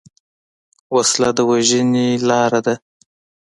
وسله د وژنې لاره ده